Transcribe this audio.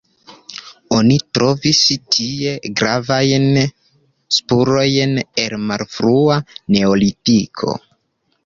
Oni trovis tie gravajn spurojn el malfrua neolitiko.